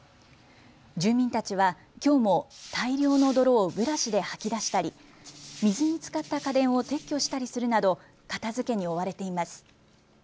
住民たちはきょうも大量の泥をブラシで掃き出したり水につかった家電を撤去したりするなど片づけに追われています。